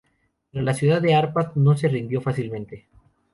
Pero la ciudad de Arpad no se rindió fácilmente.